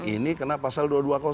ini kena pasal dua ratus dua